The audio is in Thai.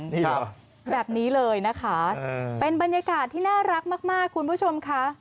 นี่ครับแบบนี้เลยนะคะเป็นบรรยากาศที่น่ารักมากคุณผู้ชมค่ะ